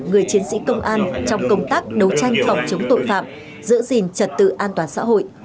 người chiến sĩ công an trong công tác đấu tranh phòng chống tội phạm giữ gìn trật tự an toàn xã hội